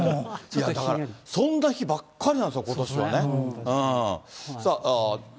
いやだから、そんな日ばっかりなんですよ、ことしはね。